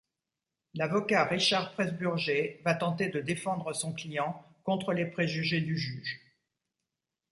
L'avocat Richard Pressburger va tenter de défendre son client contre les préjugés du Juge.